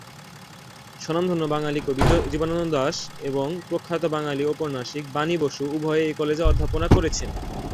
স্বনামধন্য বাঙালি কবি জীবনানন্দ দাশ এবং প্রখ্যাত বাঙালি ঔপন্যাসিক বাণী বসু উভয়েই এই কলেজে অধ্যাপনা করেছেন।